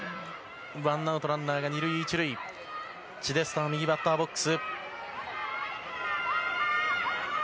ワンアウトランナー２塁１塁チデスター右バッターボックス。